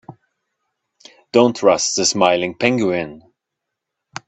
Don't trust the smiling penguin.